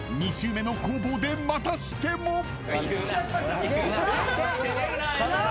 ［２周目の攻防でまたしても］